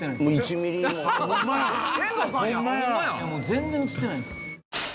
全然映ってない。